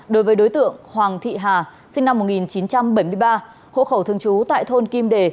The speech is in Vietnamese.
đối với đối tượng hoàng thị hà sinh năm một nghìn chín trăm bảy mươi ba hộ khẩu thường trú tại thôn kim đề